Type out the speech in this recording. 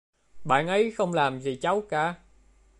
bạn ấy không làm gì cháu cả